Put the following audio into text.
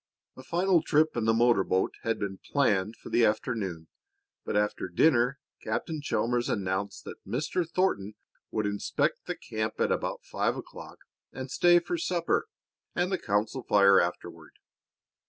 A final trip in the motor boat had been planned for the afternoon, but after dinner Captain Chalmers announced that Mr. Thornton would inspect the camp at about five o'clock, and stay for supper and the council fire afterward.